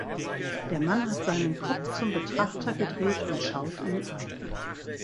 Der Mann hat seinen Kopf zum Betrachter gedreht und schaut ihn an.